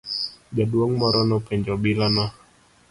Jaduong' moro nopenjo obila no.